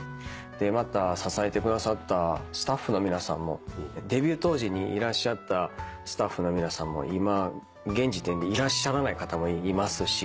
また支えてくださったスタッフの皆さんもデビュー当時にいらっしゃったスタッフの皆さんも今現時点でいらっしゃらない方もいますし。